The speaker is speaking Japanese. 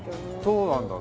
そうなんだ